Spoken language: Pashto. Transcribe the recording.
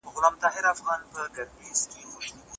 جهاني اوس دي سندري لکه ساندي پر زړه اوري